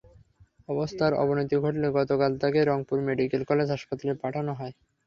অবস্থার অবনতি ঘটলে গতকাল তাঁকে রংপুর মেডিকেল কলেজ হাসপাতালে পাঠানো হয়।